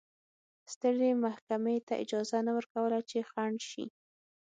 سترې محکمې ته اجازه نه ورکوله چې خنډ شي.